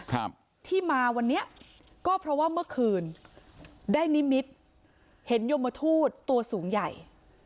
ครับที่มาวันนี้ก็เพราะว่าเมื่อคืนได้นิมิตเห็นยมทูตตัวสูงใหญ่